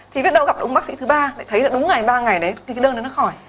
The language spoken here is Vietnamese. thì biết đâu gặp đúng bác sĩ thứ ba lại thấy là đúng ngày ba ngày đấy cái đơn nó khỏi